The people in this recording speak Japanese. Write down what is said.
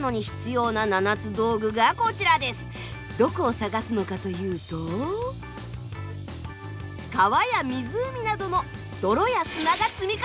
どこを探すのかというと川や湖などの泥や砂が積み重なった地層。